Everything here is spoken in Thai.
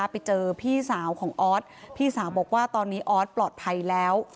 ไปเจอพี่สาวของออสพี่สาวบอกว่าตอนนี้ออสปลอดภัยแล้ว